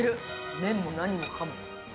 麺も何もかも。